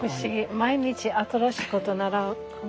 毎日新しいこと習う。